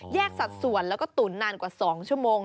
สัดส่วนแล้วก็ตุ๋นนานกว่า๒ชั่วโมง